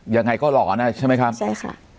ยังไงก็หล่อใช่ไหมค่ะใช่ค่ะ